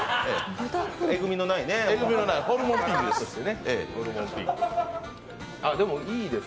えぐみのない、ホルモンピンクです。